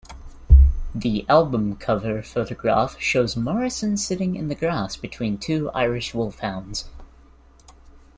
The album cover photograph shows Morrison sitting in the grass between two Irish Wolfhounds.